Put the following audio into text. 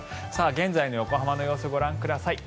現在の横浜の様子ご覧ください。